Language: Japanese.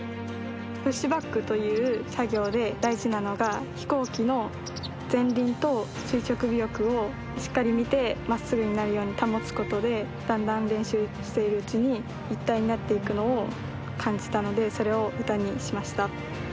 プッシュバックという作業で大事なのが飛行機の前輪と垂直尾翼をしっかり見てまっすぐになるように保つことでだんだん練習しているうちに一体になっていくのを感じたのでそれを歌にしました。